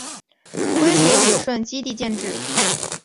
归属旅顺基地建制。